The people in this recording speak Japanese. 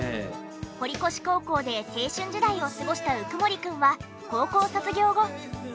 堀越高校で青春時代を過ごした鵜久森くんは高校卒業後。